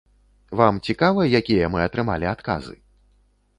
Вам цікава, якія мы атрымалі адказы?